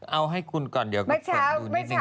เอาให้คุณก่อนเดี๋ยวก็เช็คดูนิดนึง